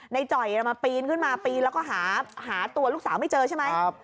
จ่อยมาปีนขึ้นมาปีนแล้วก็หาตัวลูกสาวไม่เจอใช่ไหม